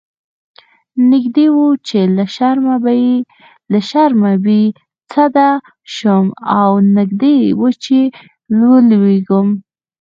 نږدې و چې له شرمه بې سده شم او نږدې و چې ولويږم.